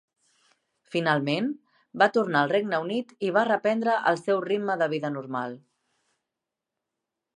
Finalment, va tornar al Regne Unit i va reprendre el seu ritme de vida normal.